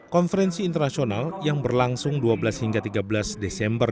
konferensi internasional yang berlangsung dua belas hingga tiga belas desember